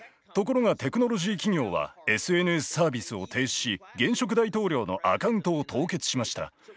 ところがテクノロジー企業はＳＮＳサービスを停止し現職大統領のアカウントを凍結しました。